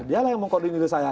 dialah yang mengkodolin diri saya